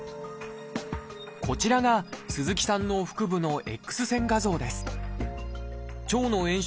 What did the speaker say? こちらが鈴木さんの腹部のＸ線画像です